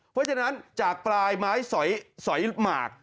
เพราะฉะนั้นจากปลายไม้สอยหมาก